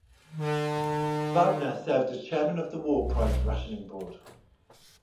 Wagner served as chairman of the War Price Rationing Board.